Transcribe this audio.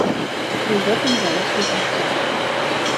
І ў гэтым залог развіцця.